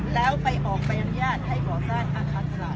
แล้วไปออกบริญญาณให้บ่อสร้าง๕๐๐๐ตลาดออกมาเป็น๗ตลาด